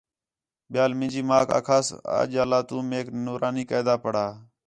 ٻیال منجی ماک آکھاس اَجالا تو میک نورانی قاعدہ پڑھا